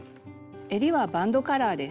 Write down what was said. えりはバンドカラーです。